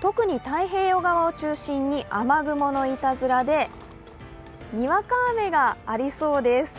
特に太平洋側を中心に雨雲のいたずらでにわか雨がありそうです。